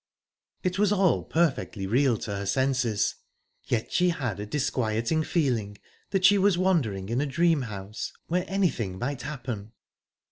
It was all perfectly real to her senses, yet she had a disquieting feeling that she was wandering in a dream house, where anything might happen.